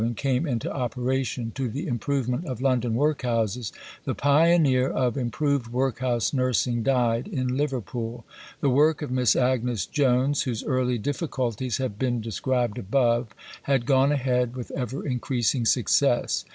VI Soon after the Act of 1867 came into operation, to the improvement of London workhouses, the pioneer of improved workhouse nursing died in Liverpool. The work of Miss Agnes Jones, whose early difficulties have been described above, had gone ahead with ever increasing success.